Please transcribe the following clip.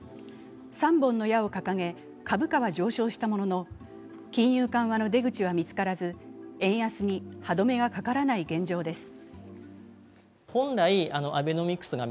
三本の矢を掲げ株価は上昇したものの金融緩和の出口は見つからず円安に歯どめがかからない現状です。